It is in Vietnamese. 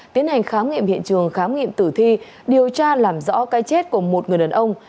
tiến hành khám nghiệm hiện trường khám nghiệm tử thi điều tra làm rõ cái chết của một người đàn ông